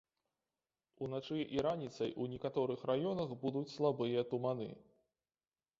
Уначы і раніцай у некаторых раёнах будуць слабыя туманы.